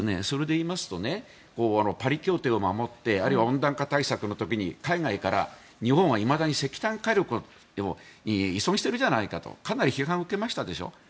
それでいいますとパリ協定を守ってあるいは温暖化対策の時に海外から日本はいまだに石炭火力に依存してるじゃないかとかなり批判を受けましたでしょ。